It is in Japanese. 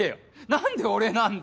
何で俺なんだよ？